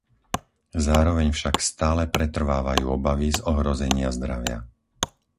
Zároveň však stále pretrvávajú obavy z ohrozenia zdravia.